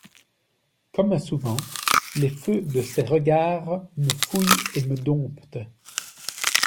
Comme, souvent, les feux de ses regards me fouillent et me domptent!